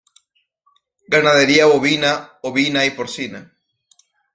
Ganadería bovina, ovina y porcina.